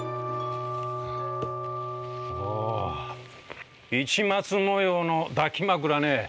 あ市松模様の抱き枕ね。